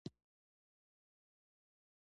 احمده! ته نو اوس اوښکی مه ورته غوړوه.